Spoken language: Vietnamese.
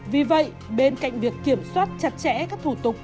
vì vậy bên cạnh việc kiểm soát chặt chẽ các thủ tục